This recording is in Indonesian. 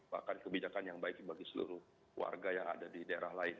bahkan kebijakan yang baik bagi seluruh warga yang ada di daerah lain